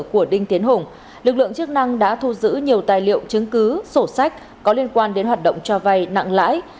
của đinh tiến hùng lực lượng chức năng đã thu giữ nhiều tài liệu chứng cứ sổ sách có liên quan đến hoạt động cho vay nặng lãi